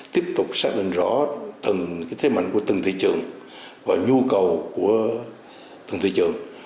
tiếp tục xác định rõ từng thế mạnh của từng thị trường và nhu cầu của từng thị trường